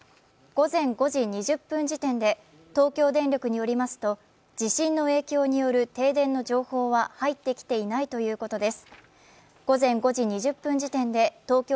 午前５時２０分時点で、東京電力によりますと地震の影響による停電の情報は入ってきていないということです。